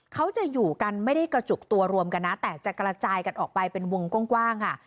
เขาจะอยู่กันไม่ได้กระจุกตัวรวมกันนะแต่จะกระจายกันออกไปเป็นวงกว้างค่ะ